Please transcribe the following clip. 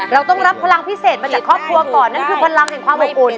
เราต้องรับพลังพิเศษมาจากครอบครัวก่อนนั่นคือพลังแห่งความอบอุ่น